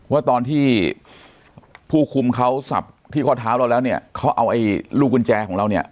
ว่าตอนที่ผู้คุมเขาสับที่ข้อเท้าเราแล้วเนี่ยเขาเอาไอ้ลูกกุญแจของเราเนี่ย